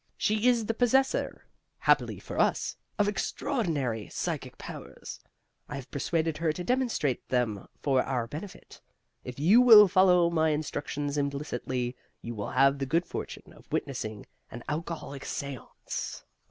She is the possessor (happily for us) of extraordinary psychic powers. I have persuaded her to demonstrate them for our benefit. If you will follow my instructions implicitly, you will have the good fortune of witnessing an alcoholic seance."